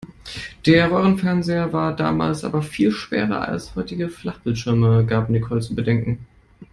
Der Röhrenfernseher war damals aber viel schwerer als heutige Flachbildschirme, gab Nicole zu bedenken.